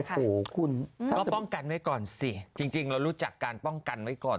โอ้โหคุณก็ป้องกันไว้ก่อนสิจริงเรารู้จักการป้องกันไว้ก่อน